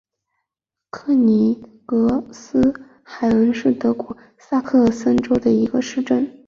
克尼格斯海恩是德国萨克森州的一个市镇。